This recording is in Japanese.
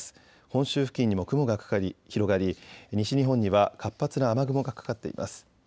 本州付近にも雲が広がり西日本には活発な雨雲がかかっています。